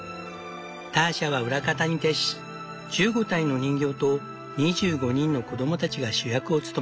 ターシャは裏方に徹し１５体の人形と２５人の子供たちが主役を務めた。